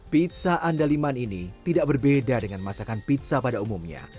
pizza andaliman ini tidak berbeda dengan masakan pizza pada umumnya